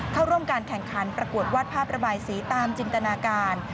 เข้าร่วมการแข่งขันประกวดวาดภาพระบายสีตามจินตนาการ